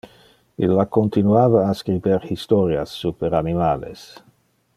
Illa continuava a scriber historias super animales.